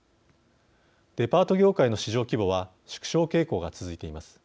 デパート業界の市場規模は縮小傾向が続いています。